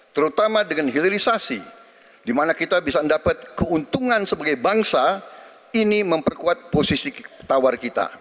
terutama dengan hilirisasi di mana kita bisa mendapat keuntungan sebagai bangsa ini memperkuat posisi tawar kita